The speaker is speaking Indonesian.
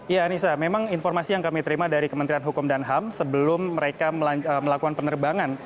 ya anissa memang informasi yang kami terima dari kementerian hukum dan ham sebelum mereka melakukan penerbangan